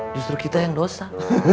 justru kita yang dosa